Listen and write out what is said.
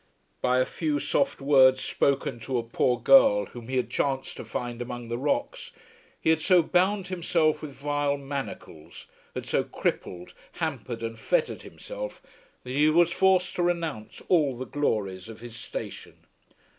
By a few soft words spoken to a poor girl whom he had chanced to find among the rocks he had so bound himself with vile manacles, had so crippled, hampered and fettered himself, that he was forced to renounce all the glories of his station.